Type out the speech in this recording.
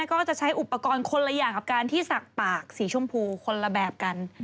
ก็จะใช้อุปกรณ์คนละอย่างกับการที่ศักดิ์ปากสีชมพูคนละแบบกัน